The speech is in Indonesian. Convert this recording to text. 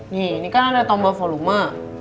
nih ini kan ada tambah volume